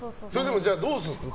じゃあ、どうするんですか？